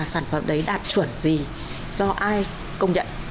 sản phẩm đấy đạt chuẩn gì do ai công nhận